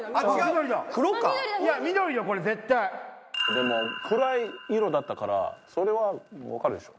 でも暗い色だったからそれは分かるでしょ。